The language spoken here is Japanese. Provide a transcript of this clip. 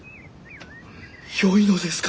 よいのですか？